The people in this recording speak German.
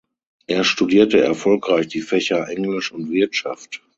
Er studierte erfolgreich die Fächer Englisch und Wirtschaft.